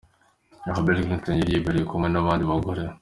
Aha Bill Clinton yari yibereye kumwe n'abandi bagore.